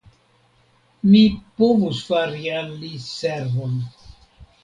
Mi povus fari al li servon.